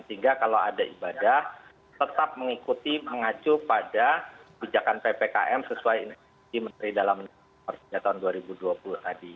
sehingga kalau ada ibadah tetap mengikuti mengacu pada kebijakan ppkm sesuai menteri dalam negeri tahun dua ribu dua puluh tadi